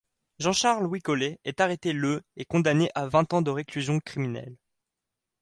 Jean-Charles Willoquet est arrêté le et condamné à vingt ans de réclusion criminelle.